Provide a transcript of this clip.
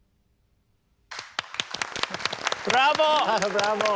ブラボー！